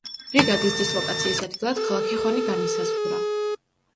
ბრიგადის დისლოკაციის ადგილად ქალაქი ხონი განისაზღვრა.